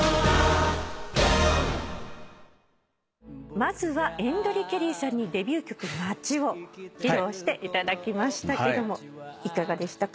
まずはＥＮＤＲＥＣＨＥＲＩさんにデビュー曲『街』を披露していただきましたけどもいかがでしたか？